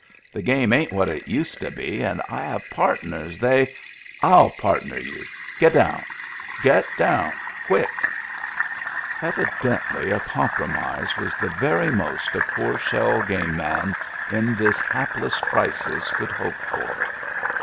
The game ain't what it used to be, and I have partners; they —"" 111 partner you. Get down. Get down quick." Evidently a compromise was the very most a poor shell game man in this hapless crisis could hope for.